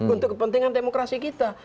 untuk kepentingan demokrasi kita